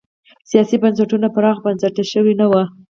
سیاسي بنسټونه پراخ بنسټه شوي نه وو.